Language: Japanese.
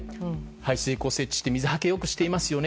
排水工を設置して水はけをよくしていますよね。